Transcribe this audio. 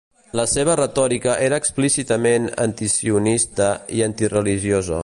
La seva retòrica era explícitament antisionista i antireligiosa.